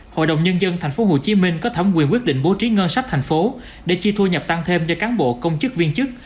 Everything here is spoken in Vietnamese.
hội đồng nhân dân thành phố hồ chí minh có thẩm quyền quyết định bố trí ngân sách thành phố để chi thu nhập tăng thêm cho cán bộ công chức viên chức